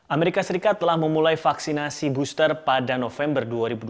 amerika serikat telah memulai vaksinasi booster pada november dua ribu dua puluh